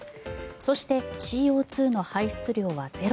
そして、ＣＯ２の排出量はゼロ。